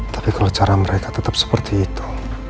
tapi kalau cara mereka tetap seperti itu